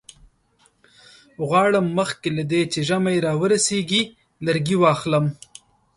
غواړم مخکې له دې چې ژمی را ورسیږي لرګي واخلم.